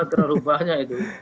terlalu banyak itu